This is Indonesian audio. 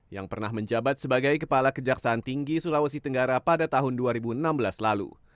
yang pernah menjabat sebagai kepala kejaksaan tinggi sulawesi tenggara pada tahun dua ribu enam belas lalu